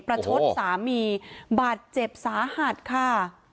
ประชดสามีบาดเจ็บสาหัสค่ะ